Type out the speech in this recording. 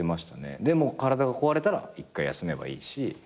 でもう体が壊れたら一回休めばいいし。